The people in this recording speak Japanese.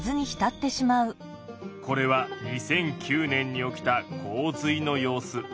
これは２００９年に起きた洪水の様子。